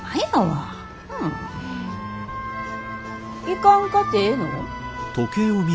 行かんかてええの？